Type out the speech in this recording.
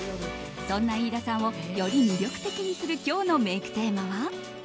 そんな飯田さんをより魅力的にする今日のメイクテーマは。